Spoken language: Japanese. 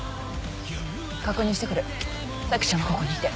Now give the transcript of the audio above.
確認してくる咲ちゃんはここにいて。